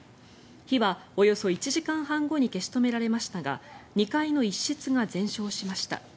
火はおよそ１時間半後に消し止められましたが２階の一室が全焼しました。